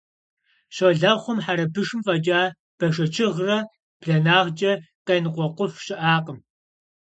Щолэхъум хьэрыпышым фӀэкӀа бэшэчыгърэ, бланагъкӀэ къеныкъуэкъуф щыӀакъым.